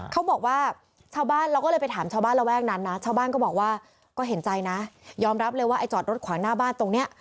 เค้าบอกว่าเค้าบ้านก็ยอมรับเลยว่าจอดรถ๑๙๑๗ขวางหน้าบ้านตรงนี้